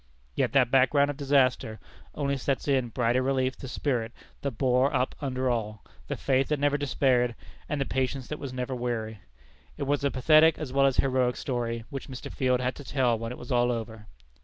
Yet that background of disaster only sets in brighter relief the spirit that bore up under all, the faith that never despaired, and the patience that was never weary. It was a pathetic as well as heroic story which Mr. Field had to tell when it was all over.